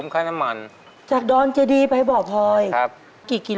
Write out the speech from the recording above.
ครับแช่หลวงอ้อยบ่อพลอยไปนู่ร์เนี่ย